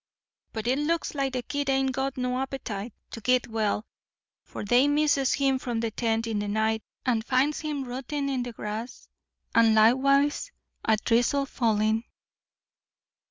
"But it looks like the kid ain't got no appetite to git well, for they misses him from the tent in the night and finds him rootin' in the grass, and likewise a drizzle fallin'.